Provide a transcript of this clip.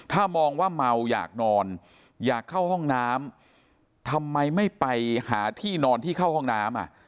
ถ้ามองว่าเมาอยากนอนอยากเข้าห้องน้ำทำไมไม่ไปหาที่นอนที่เข้าห้องน้ำอ่ะ